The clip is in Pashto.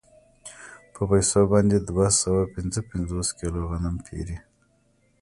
په پیسو باندې دوه سوه پنځه پنځوس کیلو غنم پېري